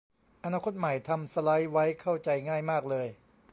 อนาคตใหม่ทำสไลด์ไว้เข้าใจง่ายมากเลย